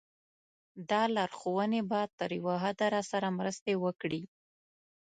دا لارښوونې به تر یوه حده راسره مرسته وکړي.